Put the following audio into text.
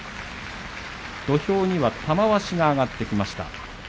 土俵には玉鷲が上がってきました。